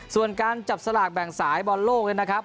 ส่วนการจับสลากแบ่งสายบอลโลกเลยนะครับ